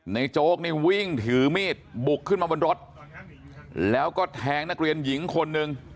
โจ๊กนี่วิ่งถือมีดบุกขึ้นมาบนรถแล้วก็แทงนักเรียนหญิงคนหนึ่ง